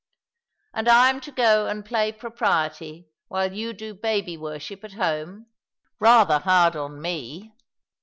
" And I am to go and play propriety while you do baby worship at home. Eather hard upon me."